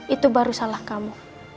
itu baru salah kamu